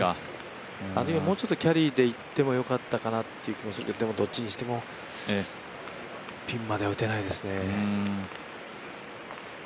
あるいはもうちょっとキャリーでいってもよかったかもしれないけどでもどっちにしてもピンまでは打てないですね。